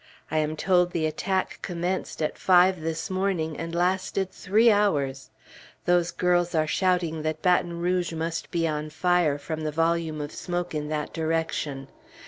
I am told the attack commenced at five this morning, and lasted three hours. Those girls are shouting that Baton Rouge must be on fire, from the volume of smoke in that direction.